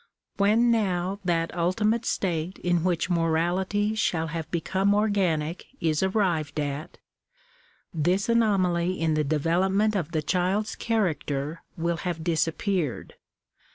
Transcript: When now that ultimate state in which morality shall have become organic is arrived at, this anomaly in the development of the child's character will have disappeared.